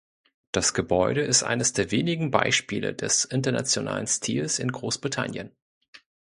Das Gebäude ist eines der wenigen Beispiele des Internationaler Stils in Großbritannien.